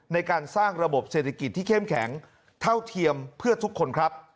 ในการสร้างระบบเศรษฐกิจที่เข้มแข็งเท่าเทียมเพื่อทุกคนครับ